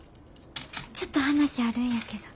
ちょっと話あるんやけど。